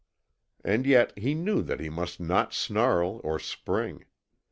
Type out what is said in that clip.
And yet he knew that he must not snarl or spring.